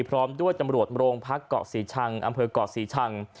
พร้อมด้วยตำรวจโรงพักเกาะศรีชังอำเภอกเกาะศรีชัง